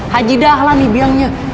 haji dahlah nih bilangnya